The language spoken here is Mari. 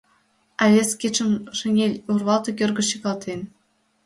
А вес кидшым шинель урвалте кӧргыш чыкалтен...